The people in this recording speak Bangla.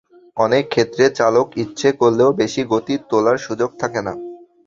অনেক ক্ষেত্রে চালক ইচ্ছে করলেও বেশি গতি তোলার সুযোগ থাকে না।